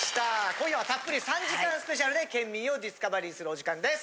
今夜はたっぷり３時間スペシャルで県民をディスカバリーするお時間です。